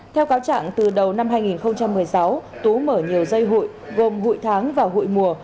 theo cáo trạng từ đầu năm hai nghìn một mươi sáu tú mở nhiều dây hụi gồm hụi tháng và hụi mùa